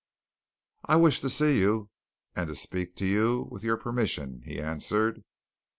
"I wished to see you and to speak to you, with your permission," he answered.